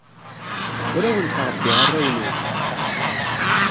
Ur awen-ttṛebbiɣ arraw-nwen.